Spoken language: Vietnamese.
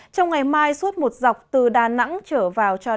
trong ngày mai suốt một dọc từ đà nẵng trở vào cho đến